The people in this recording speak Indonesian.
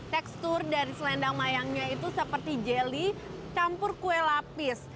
tekstur dari selendang mayangnya itu seperti jelly campur kue lapis